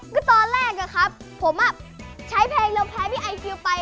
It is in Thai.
ก็ตอนแรกอะครับผมใช้เพลงเราแพ้พี่ไอคิวไป